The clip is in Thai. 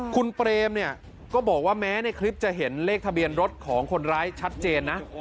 คุณเปรมเนี่ยก็บอกว่าแม้ในคลิปจะเห็นเลขทะเบียนรถของคนร้ายชัดเจนนะ